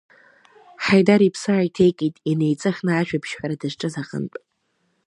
Ҳаидар иԥсы ааиҭеикит, инеиҵыхны ажәабжь ҳәара дызҿыз аҟынтә.